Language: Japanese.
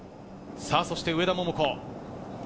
そして上田桃子。